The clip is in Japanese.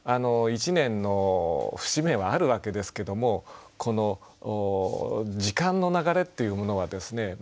一年の節目はあるわけですけどもこの時間の流れっていうものはですね